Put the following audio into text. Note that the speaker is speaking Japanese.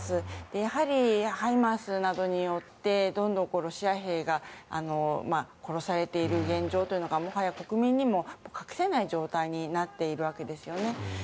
やはりＨＩＭＡＲＳなどによってどんどんロシア兵が殺されている現状というのがもはや国民にも隠せない状況になっているわけですね。